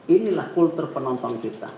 inilah kultur penonton kita